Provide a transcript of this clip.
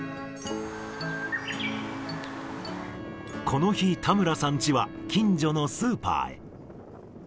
この日、田村さんチは近所のスーパーへ。